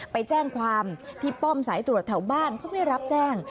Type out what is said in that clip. ไปแจ้งความที่ป้อมสายตรวจแถวบ้านเขาไม่รับแจ้ง